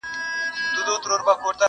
o من خورم، سېر گټم، اوسم، که درځم٫